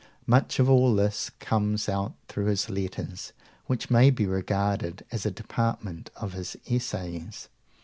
Much of all this comes out through his letters, which may be regarded as a department of his essays.